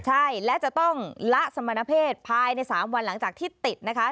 ใช่และจะต้องละสมณเพศภายใน๓วันหลังจากที่ติดนะคะ